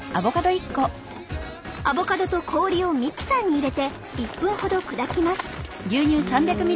アボカドと氷をミキサーに入れて１分ほど砕きます。